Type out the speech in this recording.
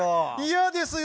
嫌ですよ。